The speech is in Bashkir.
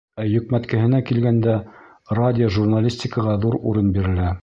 Ә йөкмәткеһенә килгәндә, радиожурналистикаға ҙур урын бирелә.